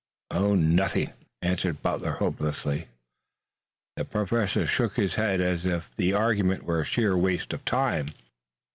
"Oh, nothing," answered Butler hopelessly. The Professor shook his head as if argument were a sheer waste of time.